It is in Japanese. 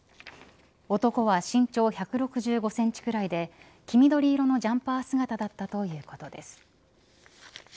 男は身長１６５センチくらいで黄緑色のジャンパー姿だったということです。